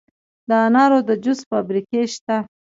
د انارو د جوس فابریکې شته.